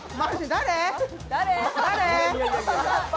誰！？